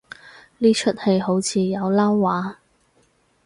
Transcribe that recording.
呢齣戲好似有撈話